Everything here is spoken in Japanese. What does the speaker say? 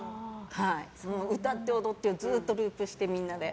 歌って踊ってをずっとループして、みんなで。